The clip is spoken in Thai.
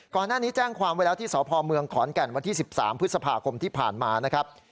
แจ้งความไว้แล้วที่สพเมืองขอนแก่นวันที่๑๓พฤษภาคมที่ผ่านมานะครับ